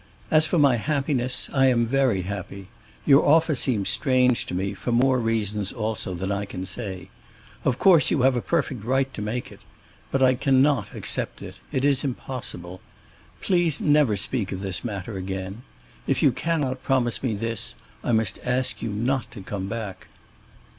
As for my happiness, I am very happy. Your offer seems strange to me, for more reasons also than I can say. Of course you have a perfect right to make it. But I cannot accept it—it is impossible. Please never speak of this matter again. If you cannot promise me this, I must ask you not to come back."